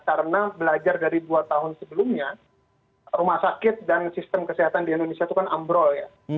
karena belajar dari dua tahun sebelumnya rumah sakit dan sistem kesehatan di indonesia itu kan ambrol ya